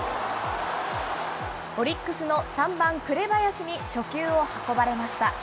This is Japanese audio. オリックスの３番紅林に初球を運ばれました。